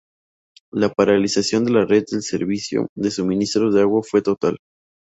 La paralización de la red del servicio de suministro de agua fue total.